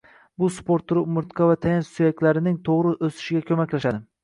Bu sport turi umurtqa va tayanch suyaklarining to‘g‘ri o‘sishiga ko‘maklashadi